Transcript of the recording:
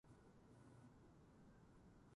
今日は大発会だ